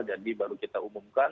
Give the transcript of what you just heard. jadi baru kita umumkan